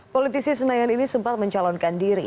politisi senayan ini sempat mencalonkan diri